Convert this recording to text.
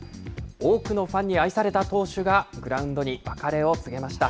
多くのファンに愛された投手が、グラウンドに別れを告げました。